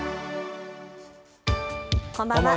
こんばんは。